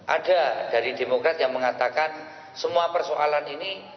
ada dari demokrat yang mengatakan semua persoalan ini